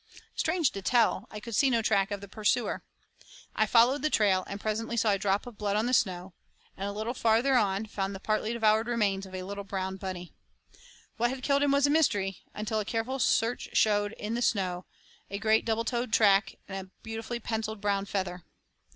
Strange to tell, I could see no track of the pursuer. I followed the trail and presently saw a drop of blood on the snow, and a little farther on found the partly devoured remains of a little brown bunny. What had killed him was a mystery until a careful search showed in the snow a great double toed track and a beautifully pencilled brown feather.